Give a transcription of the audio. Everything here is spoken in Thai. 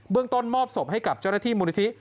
เบื้องต้นมอบสมให้กับเจ้าหน้าที่มูลิธิ